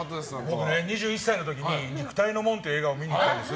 僕２１歳の時に「肉体の門」という映画を見に行ったんです。